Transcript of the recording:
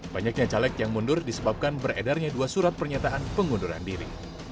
banyaknya caleg yang mundur disebabkan beredarnya dua surat pernyataan pengunduran diri